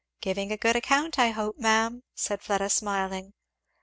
"Giving a good account, I hope, ma'am," said Fleda smiling.